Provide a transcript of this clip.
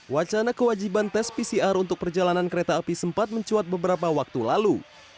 wacana kewajiban tes pcr untuk perjalanan kereta api sempat mencuat beberapa waktu lalu